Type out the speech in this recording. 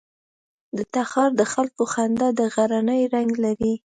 د تخار د خلکو خندا د غرنی رنګ لري.